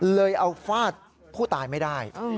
เลยเอาฟาดผู้ตายไม่ได้